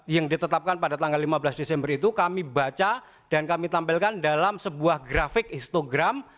yang ditetapkan pada tanggal lima belas desember itu kami baca dan kami tampilkan dalam sebuah grafik istogram